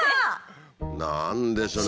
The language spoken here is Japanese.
何でしょうね？